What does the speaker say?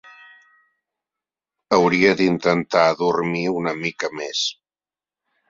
Hauria d'intentar dormir una mica més.